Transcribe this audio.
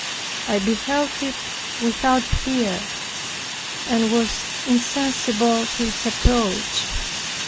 I beheld it without fear, and was insensible to its approach.